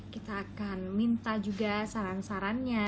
kita akan minta juga saran sarannya